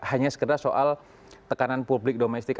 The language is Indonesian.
hanya sekedar soal tekanan publik domestik